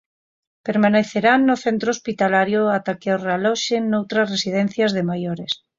Permanecerán no centro hospitalario ata que os realoxen noutras residencias de maiores.